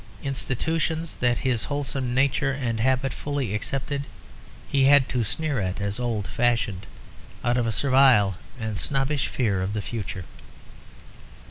Institutions that his wholesome nature and habit fully accepted he had to sneer at as old fashioned, out of a servile and snobbish fear of the future.